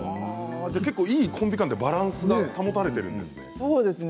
いいコンビ感でバランスが保たれているんですね。